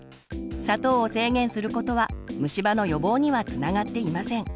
砂糖を制限することは虫歯の予防にはつながっていません。